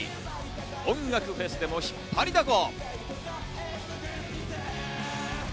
音楽フェスでも引っ張りだこ。